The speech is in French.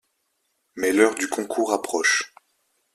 Mais l'heure du concours approche.